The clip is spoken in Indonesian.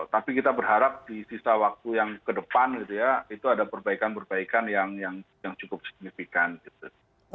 tapi kita berharap di sisa waktu yang kedepan gitu ya itu ada perbaikan perbaikan yang cukup signifikan gitu